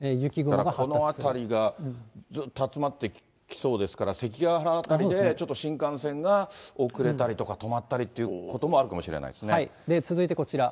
だからこの辺りがずっと集まって着そうですから、せきがはら辺りでちょっと新幹線が遅れたりとか止まったりという続いてこちら。